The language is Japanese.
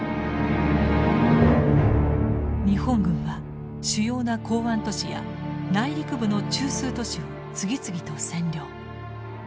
日本軍は主要な港湾都市や内陸部の中枢都市を次々と占領。